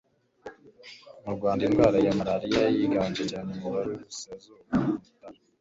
mu rwanda indwara ya malariya yiganje cyane mu burasirazuba (umutara)